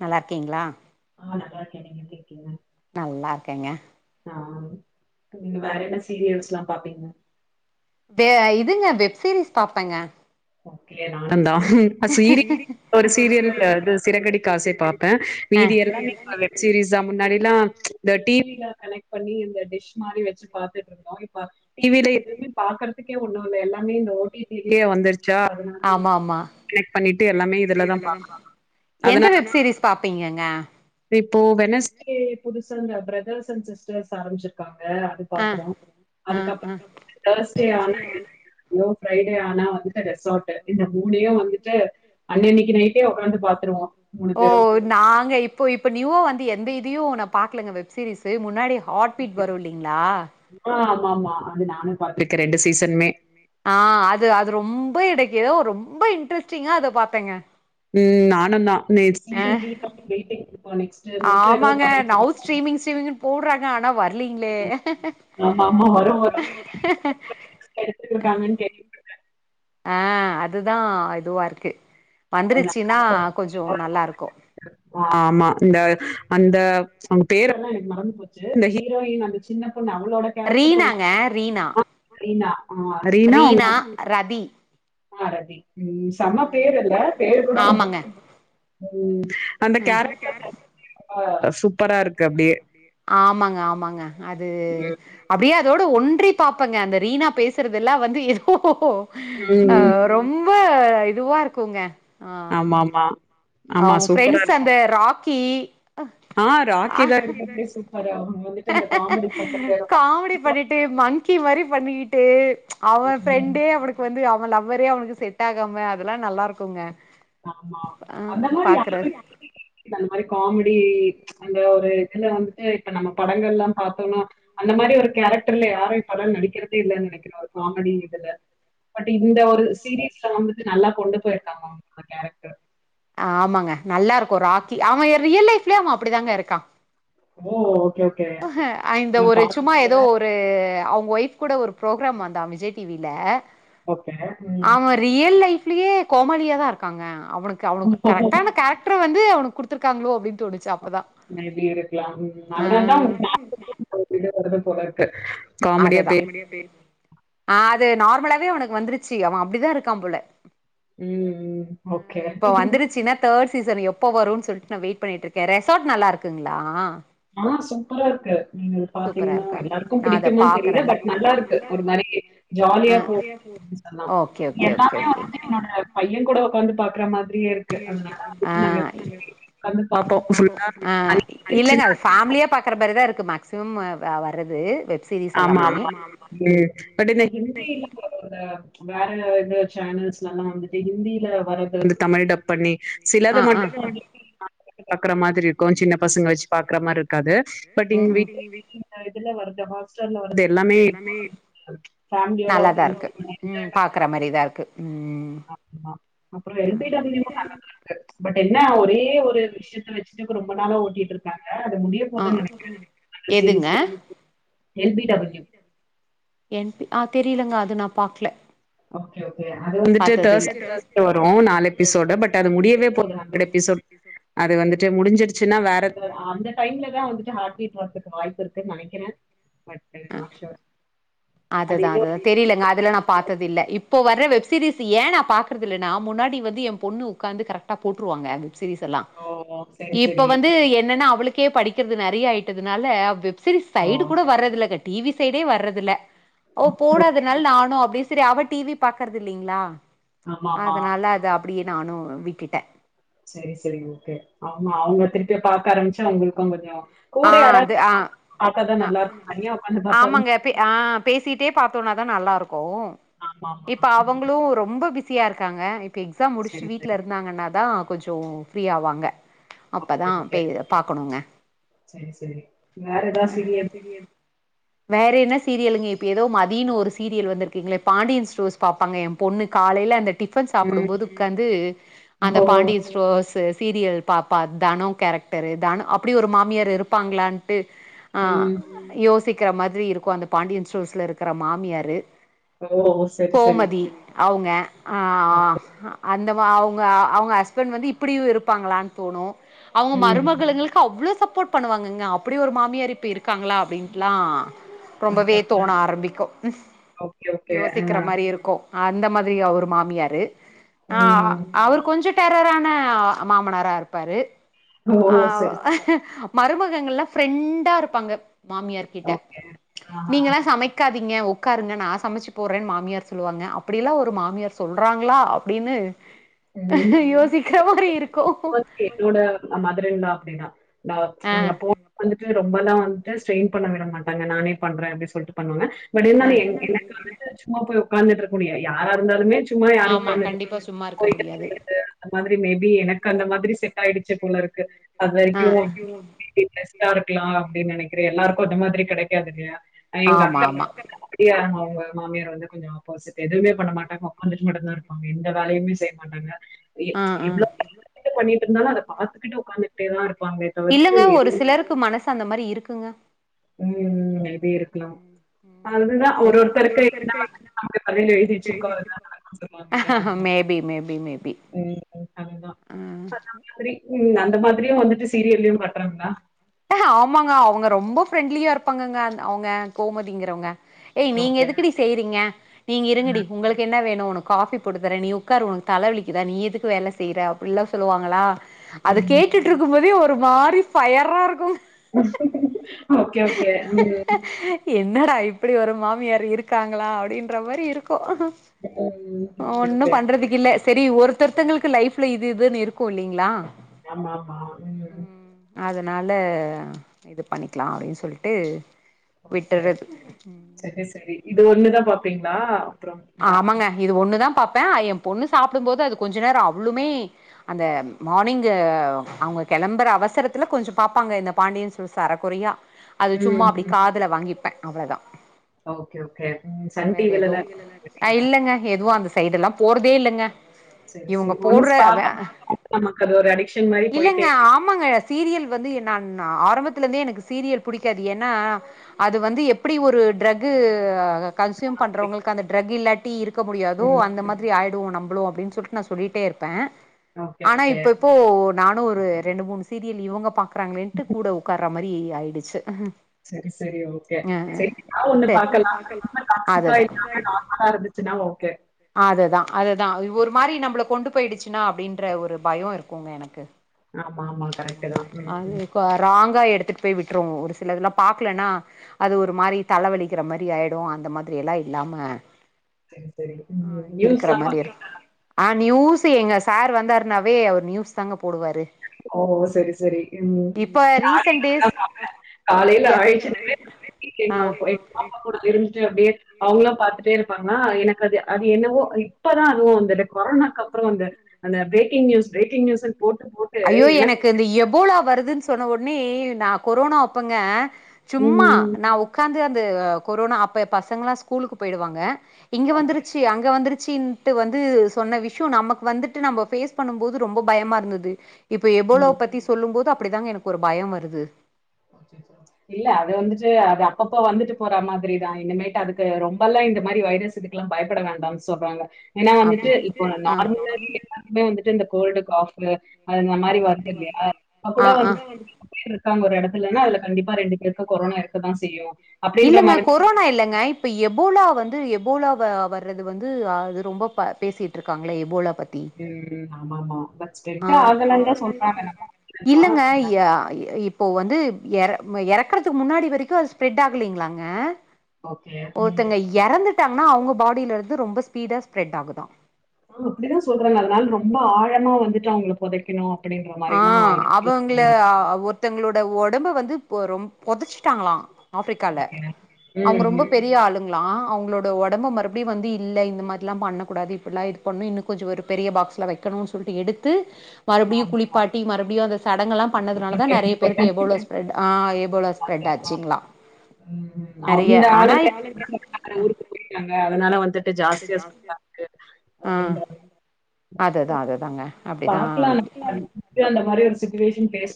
நல்லா இருக்கீங்களா நா நல்லா இருக்கே நீங்க எப்டி இருக்கீங்க நல்லா இருக்கேங்க நா டு நீங்க வேற என்ன சீரியல்ஸ்ல்லா பாப்பீங்க து இதுங்க வெப் சீரிஸ் பாப்பேங்க ஓகே நானுந்தா அ சீரி ஒரு சீரியல் அது சிறகடிக்க ஆசை பாப்பே மீதி எல்லா நிங்க வெப்சீரிஸ் தா முன்னாடில்லா இந்த டிவில கனெக்ட் பண்ணி இந்த டிஷ் மாரி வெச்சு பாத்து ருந்தோ இப்ப டிவியில எதுவுமே பாக்குறதுக்கே ஒண்ணு இல்ல எல்லாமே இந்த ஓட்டிடிலயே வந்துருச்சா அதனா கனக்ட் பண்ணிட்டு எல்லாமே இதுலதா பாக்கனு அதனா பாப்பீங்கங்க இப்போ வெனஸ்டே புதுசா இந்த பிரதர்ஸ் அண்ட் சிஸ்டர்ஸ் ஆரமிச்சிருக்காங்க அது பாக்குறோ அதுக்கப்றோ தேர்ஸ்டே ஆனா எ [unintelligible] ஃப்ரைடே ஆனா வந்துட்டு ரெசார்ட்டு இந்த மூனயு வந்துட்டு அன்னன்னக்கி நைட்டே ஒக்காந்து பாத்துருவோ மூனு பேரு நாங்க இப்போ இப்போ நியூவா வந்து எந்த இதியு நா பாக்லங்க வெப் சீரிஸ் து முன்னாடி ஹாட்பீட் வரு இல்லிங்ளா ஆ ஆமாமா அது நானு பாத்துருக்கே ரெண்டு சீசனுமே ஆ அது அது ரொம்ப எனக்கெதோ ரொம்ப இன்ட்ரெஸ்டிங்கா அத பாத்தேங்க ம் நானுந்தா நெக் சீசன் த்ரீக்காக வெய்ட்டிங் [inaudible] நெக்ஸ் ஆமாங்க நவ் ஸ்ட்ரீமிங் ஸீமிங்னு போட்றாங்க ஆனா வர்லிங்ளே ஆ அதுதா இதுவாருக்கு வந்துருச்சினா கொஞ்சோ நல்லாருக்கு ஆ ஆமா இந்த அந்த அவுங்க பேரெல்லா எனக்கு மறந்துபோ ச்சு அந்த ஹீரோயின் அந்த சின்ன பொண்ணு அவளோட கேரக்ட்ரு ஆ ரீனா ஆ ரீ ரீனா ரதி ஆ ரதி ம் செம்ம பேருல்ல பேரு கூட ரொம்ப ம் அந்த கேரக்டர்ஸ் [inaudible] சூப்பராருக்கு அப்டியே ஆமாங்க ஆமாங்க அது அப்டியே அதோட ஒன்றி பாப்பெங்க அந்த ரீனா பேசுறதெல்லா வந்து எதோ ஆ ரொம்ப இதுவாருக்குங்க அ ஆ அவுங் ஃப்ரெண்ட்ஸ் அந்த ராக்கி ஆ ராக்கி தா இருக்கதுலே சூப்பரு அவுங்க வந்து காமெடி பண்ணிட்டு மன்க்கி மாரி பண்ணிக்கிட்டு அவே ஃப்ரெண்டே அவனுக்கு வந்து அவே லவ்வரே அவனுக்கு செட்டாகாம அதல்லா நல்லாருக்குங்க ஆமா அந்த மாரி யாருமே [inaudible] அந்த மாரி காமடி அந்த ஒரு இதுல வந்துட்டு இப்ப நம்ம படங்கள்லா பாத்தோன்னா அந்த மாரி ஒரு கேரக்டர்ல யாரு இப்பல்லா நடிக்கிறதே இல்லன் நெனக்கிறே ஒரு காமெடி இதுல பட் இந்த ஒரு சீரிஸ்ல வந்துட்டு நல்லா கொண்டு போய்ருக்காங்க அவுங்களோட கேரக் ஆமாங்க நல்லாருக்கு ராக்கி அவே ரியல் லைஃப்லே அவே அப்டிதாங்க இருக்கா ஓ ஓகே அ ஹ அ இந்த ஒரு சும்மா எதோ ஒ ரு அவுங் ஒய்ஃப் கூட ஒரு ப்ரோக்ராம் வந்தா விஜய் டிவி ல ஓகே ம் ரியல் லைஃப்லியே கோமாளியா தா இருக்காங்க அவனுக்கு அவனுக்கு கரெக்டான கேர க்ட்ரு வந்து அவனுக்கு குடுத்துருக்காங்ளோ அப்டின் தோனு மேபி இருக்லாம் அத்னால்தா அதா அவே கே [inaudible] வருது போலர்க்கு அததா ஆ அது நார்மலாவே அவனுக்கு வந்துருச்சி அவே அப்டிதாருக்கா போல ம் ம் இப்போ வந்துருச்சுன்னா தேர்ட் சீசன் எப்ப வருன் சொல்ட்டு நா வெய்ட் பண்ணிட்ருக்கே ரெசாட் நல்லாருக்குங்ளா ஆ சூப்பராருக்கு நீங்க அது பாத்தீங்னா எல்லாருக்கு புடிக்குமான் தெரில பட் நல்லாருக்கு ஒரு மாரி ஜாலியா போ எப்டி சொல்லா எல்லாமே வந்துட்டு என்னோட பையேன் கூட ஒக்காந்து பாக்ற மா ரியே இருக்கு அதனால வந்துட்டு நாங்க டெய்லி உக்காந்து பாத்தோ ஃபுல்லா [inaudible] ஃபேமிலியா பாக்குற மாரி தா இருக்கு மேக்சிமம் வர்றது வெ ஆமா ஆமா உம் பட் என்னக்கி ஹிந்தி வரும்ல வேற வித சேனல்ஸ்ல எல்லாம் வந்து ஹிந்தியில வர்றது வந்து தமிழ் டப் பண்ணி சிலத மட்டும் [unintelligible] பாக்குற மாதிரி இரு கூ சின்ன பசங்கள வச்சு பாக்குற மாரி இருக்காது பட் இங்க ரிலேட்டிவ் வீட்டு இதுல வரு [unintelligible] இதெல்லாமே நல்லாதா இருக்கு உம் பா பாக்குற மாரி தா இருக்கு உம் ஆமா அப்புறோ எல் பி டபுள்யூ ஒ [unintelligible] பட் என்ன ஒரே ஒரு விஷயத்த வச்சுட்டு இப்ப ரொம்ப நாளா ஓட்டிட்டு இருக் காங்க அது முடியும் போது நெனைக்கிறேன் அந்த சீரீஸ் கூட எல் பி டபிள்யூ என் பி ஆ தெரிலங்க அது நா பாக்ல ஓகே அது வந்துட்டு தேர்ஸ்டே தேர்ஸ்டே வரும் நாலு எபிசோடு பட் அது முடியவே போது அந்த எபிசோட் அது வந்துட்டு முடிஞ்சுடுச்சுன்னா வேற எத அந்த டைம்லதா வந்துட்டு ஹார்ட்பீட் ஒர்குக்கு வாய்ப்பு இருக்குன்னு நெனைக்கிறே பட் எமோஷா அதுதா அதுதா தெரியலங்க அதுலாம் நா பாத்தது இல்ல இப்போ வர்ற வெப் சீரியஸ் ஏ நா பாக்குறதில்லைன்னா முன்னாடி வந்து எ பொண்ணு உக்காந்து கரெக்டா போட்ருவாங்க வெப்சீரியஸ்லா எல்லாம் இப்ப வந்து என்னன்னா அவளுக்கே படிக்கிறது நெறைய ஆயிட்டதுனால அவ்வெப் சீரியஸ் சைடு கூட வர்றதில்லங்க டிவி சைடே வர்றதில்ல ஓ போடாதனால நானு அப்டி சரி அவ டிவி பாக்கறது இல்லைங்ளா அதனால அத அப்டியே நானு விட்டுட்டே சரி சரி ஓகே ஆமா அவுங்க திருப்பிய பாக்க ஆரம்பிச்சா அவங்களுக்கு தெரியும் கூட யாராவது [unintelligible] பாத்தாதான் நல்லா இருக்கும் தனியா உக்காந்து பாத்தாலும் த்தே ஆ பேசிட்டே பாத்தோனாதா நல்லா இருக்கும் இப்ப அவுங்களும் ரொம்ப பிஸ் பிசியா இருக்காங்க இப்ப எக்ஸாம் முடிச்சுட்டு வீட்ல இருந்தாங்கன்னா தா கொஞ்சோ ஃப்ரீ ஆவாங்க அப்ப தா பெய் பாக்கணுங்க சரி சரி அதுதா சரியது வேற என்ன சீரியலுங்க இப்ப ஏதோ மதீனு ஒரு சீரியல் வந்துருக்கீங்ளே பாண்டியன் ஸ்டோர்ஸ் பாப்பாங்க எ பொண்ணு காலையில அந்த டிஃபன் சாப்டும்போது உக்காந்து அந்த பாண்டியன் ஸ்டோர்ஸ் து சீரியல் பாப்பா தனோம் கேரக்டரு தனோம் அப்டி ஒரு மாமியார் இருப்பாங்ளான்ட்டு உம் யோசிக்கற மாதிரி இருக்கும் அந்த பாண்டியன்ஸ்டோர்ஸ்ல இருக்குற மாமியாரு கோமதி அவுங்க ஆ அ அந்த வ அவுங்க அவுங்க ஹஸ்பண் வந்து இப்டியும் இருப்பாங்களான் தோணூ அவுங்க மருமகளுங்களுக்கு அவ்ளோ சப்போர்ட் பண்ணுவாங்கங்க அப்டி ஒரு மாமியார் இப்ப இருக்காங்களா அப்டின்ட்லா ரொம்பவே தோண ஆரம்பிக்கும் யோசிக்கற மாரி இருக்கூம் ஆ அந்த மாதிரி அவரு மாமியாரு ஆ அவர் கொஞ்ச டெரரான மாமனாரா இருப்பாரு ஆ மருமகங்கள்லா ஃபிரெண்டா இருப்பாங்க மாமியார் கிட்ட நீங்கல்லா சமைக் க்காதீங்க உட்க்காருங்க நா சமைச்சு போறேன் மாமியார் சொல்லுவாங்க அப்டில்லாம் ஒரு மாமியார் சொல்றாங்ளா அப் அப்டின்னு யோசிக்ற மாரி இருக்கும் என்னோட மதரின்லா அப்டின்னா நாங்க நாங்க போன வந்துட்டு ரொம்பதா வந்துட்டு ஸ்ட்ரெயின் பண்ண விட மாட்டாங்க நானே பண்றே அப்டின் சொல்ட்டு பண்ணுவாங்க பட்இருந்தாலு என் எனக்கான வந்துட்டு சும்மா போய் உக்காந்துட்டு இருக்க முடியாது யாரா இருந்தாலுமே டும்மா யாரும் உட்காந்துட்டு [unintelligible] அந்த மாதிரி மேபி எனக்கு அந்த மாதிரி செட் ஆயிடுச்சு போல இருக்கு அது வரைக்கும் தி பெஸ்ட்டா இருக்கலா அப்டின்னு நெனைக்கற எல்லாருக்கும் அந்த மாதிரி கிடைக்காதுல்லயா நா எங்க அக்கா அப்டியாங்க அவுங்க மாமியார் வந்து கொஞ்ச ஆப்போசிட் எதுவுமே பண்ண மாட்டாங்க உக்காந்துட்டு மட்டும்தா இருப்பாங்க எந்த வேலையுமே செய்ய மாட்டாங்க ஆ ஆ பண்ணிட்டு இருந்தாலு அத பாத்துக்கிட்டு உட்காந்துக்கிட்டே தான இருப்பாங்க தவிர்த்து எதுவு சிலருக்கு மனசு அந்த மாதிரி இருக்குங்க ம் ம் மே பி இருக்குலா அதுதா ஒரு ஒருத்தருக்கு என்ன அவுங்க தலையில எழுதி வைச்சி இருக்கோ அது தா நடக்கும் [unintelligible] ம் அந்த மாதிரியு வந்துட்டு சீரியல்லயு காட்டுறாங்களா அ ஆமாங்க அவுங்க ரொம்ப ஃப்ரெண்ட்லியா இருப்பாங்கங்க அவுங்க கோமதிங்கிறவங்க ஏய் நீங்க எதுக்குடி செய்றீங்க நீங்க இருங்கடி உங்களுக் உனக்கு என்ன வேணு உனக்கு காபி போடுதற நீ உட்காரு உனக்கு தலை வலிக்கிதா நீ எதுக்கு வேல செய்யிற அப்டிலா சொல்லுவாங்களா அது கேட்டுட்டு இருக்கும் போதே ஒரு மாதிரி ஃபயரா இருக்கும் ஓகே ஓகே ம் என்னடா இப்டி ஒரு மாமியார் இருக்காங்களா அப்டின்ற மாதிரி இருக்கும் ஒன்னு பண்றதுக்கு இல்ல செரி ஒருத்தருத்தங்களுக்கு லைஃப்ல இது இதுன்னு இருக்கும் இல்லிங்களா ஆமா ஆமா ம் அதனால இது பண்ணிக்கலா அப்டின்னு சொல்லிட்டு விட்டுறது செரி சேரி இது ஒண்ணுதா பாப்பீங்களா ஆமாங்க இது ஒண்ணுதா பாப்ப எய பொண்ணு சாப்புடும் போது அது கொஞ்ச நேர அவ்ளுமே அந்த மார்னிங் அவுங்க கிளம்புற அவசரத்துல கொஞ்ச பார்ப்பாங்க இந்த பாண்டியன் ஸ் டோர் அரக்குறையா அது சும்மா அப்டி காதுல வாங்கிப்ப அவ்வளவுதா ஓகே ஓகே ம் சன் டி வி ல அ இல்லங்க எதுவு அந்த சைடு எல்லா போறதே இல்லங்க இவுங்க போடுற இல்லங்க ஆமாங்க சீரியல் வந்து என்னா ஆரம்பத்துல இருந்தே எனக்கு சீரியல் புடிக்காது ஏன்னா அது வந்து எப்டி ஒரு ட்ரக்கு ஆ கன்சியூ பண்றவங்களுக்கு அந்த ட்ரக் இல்லாட்டி இருக்க முடியாதோ அந்த மாதி ரி ஆயடுவோ நம்பளு அப்டின்னு சொல்லிட்டு நா சொல்லிட்டே இருப்ப ஆனா இப்ப இப்போ நானு ஒரு ரெண்டு மூணு சீரியல் இவுங்க பாக்குறாங்களேன்ட்டு கூட உட்காருற மாதிரி ஆயிடுச்சு செரி செரி ஓகே செரி எதாவது ஒண்ணு பாக்கலா [unintelligible] [unintelligible] இல்லாமா நார்மலா இருந்துச்சுன்னா ஓகே அதுதா அதுதா ஒரு மாதிரி நம்மள கொண்டு போயிடுச்சுனா அப்டின்ற ஒரு பய இருக்கும் இன்னோ எனக்கு ம் அது ராங்கா எடுத்து போய் விட்டுறு ஒரு சில இது எல்லா பார்க்கலனா அது ஒரு மாதிரி தலைவலிக்கிற மாதிரி ஆயிடு அந்த மாதி ரி எல்லா இல்லாம ஆ இருக்கிற மாதிரி இருக் ஆ நியூஸ் எங்க சார் வந்தாருனாவே அவர் நியூஸ் தாங்க போடுவாரு ஓ சேரி சேரி ம் காலையில ஆயிடுச்சனாவே வீட்டுல எங்க எங்க பாப்பா கூட இருந்துட்டு அப்டியே அவங்களு பாத்துட்டே இருப்பாங்கன்னா எனக்கு அது அது என்னவோ இப்பதான் அதுவு வந்துட்டு கொரோனாவுக்கு அப்றோ அந்த அந்த பிரேக்கிங் நியூஸ் பிரேக்கிங் நியூஸ்ன்னு போட்டு ஐயோ எனக்கு இந்த எபோலா வருதுன்னு சொன்ன ஒட்னே நா கொரோனா அப்பங்க சும்மா நா ஒக்காந்து அந்த கொரோனா அப்ப பசங்க எல்லா ஸ்கூலுக்கு போயிடுவாங்க இங்க வந்துருச்சு அங்க வந்துரு சின்ட்டு வந்து சொன்ன விஷ்யோ நமக்கு வந்துட்டு நம்ம ஃபேஸ் பண்ணும் போது ரொம்ப பயமாருந்தது இப்ப எபோலோ பத்தி சொல்லும்போது அப்படிதாங்க எனக்கு ஒரு பயோ வருது [inaudible] இல்லே அது வந்துட்டு அது அப்பப்போ வந்துட்டு போற மாதிரி தா இனிமேட்டு அதுக்கு ரொம்பெல்லா இந்த மாதிரி வைரஸ் இதுக்கெல்லா பயப்பட வேண்டாம்னு சொல்றாங்க ஏன்னா வந்துட்டு இப்போ நார்மலாவே எல்லாருமே வந்துட்டு இந்த கோல்டு காஃபு அது இந்த மாதிரி வருது இல்லையா அப்ப கூட வந்து சுத்தி இருக்காங்க ஒரு இடத்துலன்னா அதுல கண்டிப்பா ரெண்டு பேருக்கு கொரோனா இருக்கதா செய்யு இல்லங்க கொ ரோனா இல்லைங்க இப்ப எபோலா வந்து எபோலா வர்றது வந்து அது ரொம்ப பேசி ட்டு இருக்காங்களே எபோலா பத்தி ம் ஆம்மாம்மா பட் ஆ [unintelligible] ஆகலன்னு தா சொல்றாங்க இல்லங்க யா ப் இப்போ வந்து எறக் எறக்குறதுக்கு முன்னாடி வரைக்கும் அது ஸ்ப்ரெட் ஆகலையிங்களாங்க ஒருத்தங்க எறந்துட்டாங்கன்னா அவுங்க பாடிலருந்து ரொம்ப ஸ்பீடா ஸ்ப்ரெட் ஆகுதா ஓ அப்டிதா சொல்றாங்க அத்னால ரொம்ப ஆழமா வந்துட்டு அவுங்கள பொதைக்கணு ஆ அவங்கள ஒருத்தங்களோட உடம்பு வந்து ரொம் பொதச்ட்டாங்களா ஆப்பிரிக்கால்ல அவங்க ரொம்ப பெரிய ஆளுங் லா அவங்களோட ஒடம்பு மறுபடி வந்து இல்லே இந்த மாதிரி எல்லா பண்ணக்கூடாது இப்பல்லா இது பண்ணு இன்னு கொஞ்சோ ஒரு பெரிய பாக்ஸ்ல வெக்கணும்னு சொல்லிட்டு எடுத்து மறுபடியு குளிப்பாட்டி மறுபடியும் அந்த சடங்கெல்லா பண்ணதுனால தா நெறைய பேருக்கு எபோலோ ஸ்ப்ரெட் ஸ்ப்ரெட் ஆச்சுங்களா நெறைய ஆனா இப் அப்றோ ஊருக்கு போயிட்டாங்க அதுனால வந்துட்டு ஜாஸ்தியா ஸ்ப்ரெட் ஆக்கு அப்டின்றாங்க பாக்கலா இப்பயு அந்த மாரி சிட்டுவேஷன் ஃபேஸ்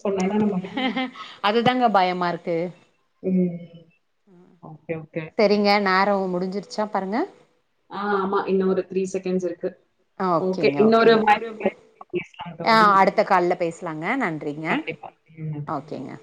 அதுதாங்க பயமாருக்கு தெரிங்க நேரோவ் முடிஞ்சிருச்சா பாருங்க ஆ ஆமா இன்னொரு த்ரீ செகண்ட்ஸ் இருக்கு ஓ கே இன்னொரு வாய்ப் ஆ அடுத்த கால்ல பேசுவாங்க நன்றிங்க ‍‍ஓகேங்க